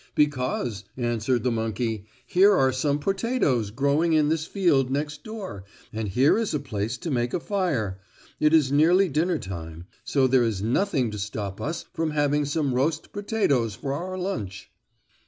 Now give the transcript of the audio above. "Because," answered the monkey, "here are some potatoes growing in this field next door, and here is a place to make a fire. It is nearly dinner time, so there is nothing to stop us from having some roast potatoes for our lunch."